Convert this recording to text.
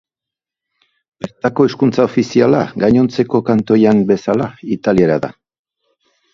Bertako hizkuntza ofiziala, gainontzeko kantoian bezala, italiera da.